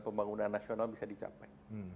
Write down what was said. pembangunan nasional bisa dicapai